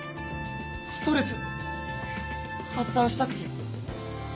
ストレス発さんしたくて。